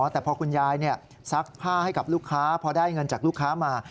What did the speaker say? แต่พอคุณยายซักผ้าให้กับลูกค้าพอได้เงินจากลูกค้ามา